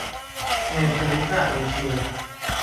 ในภูมิภาคเอเชีย